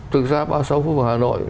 thực ra ba mươi sáu phố phố hà nội